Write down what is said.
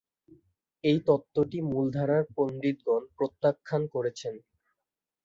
এই তত্ত্বটি মূলধারার পণ্ডিতগণ প্রত্যাখ্যান করেছেন।